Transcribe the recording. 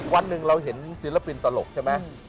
วันหนึ่งเราเห็นศิลปินตลกใช่ไหม